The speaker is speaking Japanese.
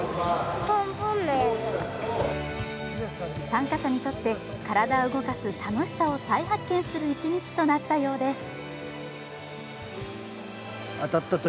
参加者にとって体を動かす楽しさを再発見する一日となったようです。